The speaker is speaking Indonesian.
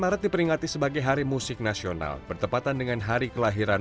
dua maret diperingati sebagai hari musik nasional bertepatan dengan hari kelahiran